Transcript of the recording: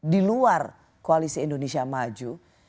di luar koalisi indonesia maju